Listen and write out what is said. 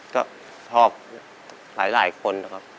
ก็ชอบหลายคนนะครับ